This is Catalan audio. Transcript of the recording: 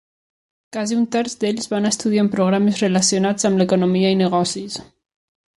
Quasi un terç d'ells va estudiar en programes relacionats amb l'economia i negocis.